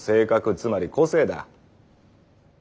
つまり個性だ。